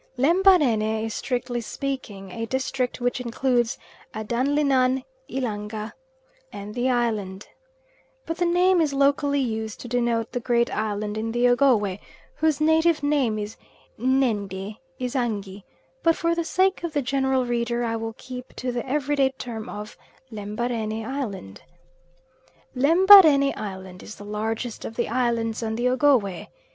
Lembarene is strictly speaking a district which includes Adanlinan langa and the Island, but the name is locally used to denote the great island in the Ogowe, whose native name is Nenge Ezangy; but for the sake of the general reader I will keep to the everyday term of Lembarene Island. Lembarene Island is the largest of the islands on the Ogowe.